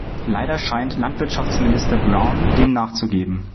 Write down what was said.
Leider scheint Landwirtschaftsminister Brown dem nachzugeben.